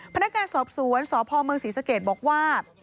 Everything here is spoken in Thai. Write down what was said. พนักงานสอบสวนสพเมืองศรีสเกตบอกว่า